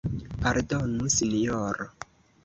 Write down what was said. Pardonu Sinjoro!